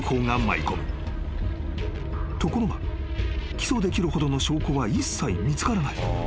［ところが起訴できるほどの証拠は一切見つからない］